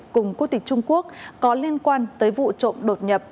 cùng quốc tịch trung quốc có liên quan tới vụ trộm đột nhập